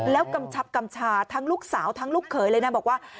แล้วกำชับกำชาทั้งลูกสาวทั้งลูกเขยเลยนะบอกว่า